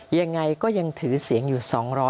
ยังไงก็ยังถือเสียงอยู่๒๐๐